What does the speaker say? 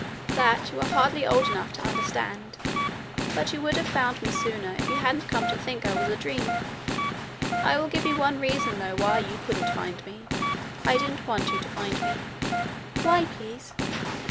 'That you are hardly old enough to understand. But you would have found me sooner if you hadn't come to think I was a dream. I will give you one reason though why you couldn't find me. I didn't want you to find me.' 'Why, please?'